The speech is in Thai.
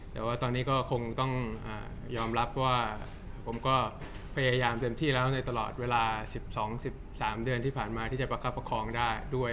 แต่ว่าตอนนี้ก็คงต้องยอมรับว่าผมก็พยายามเต็มที่แล้วในตลอดเวลา๑๒๑๓เดือนที่ผ่านมาที่จะประคับประคองได้ด้วย